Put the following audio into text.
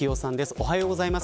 おはようございます。